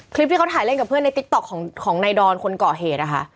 คลิปที่เขาถ่ายเล่นกับเพื่อนในติ๊กต๊อกของนายดอนคนเกาะเหตุนะคะ